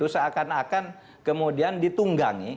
seakan akan kemudian ditunggangi